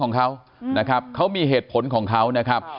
เขามีเหตุผลของเขา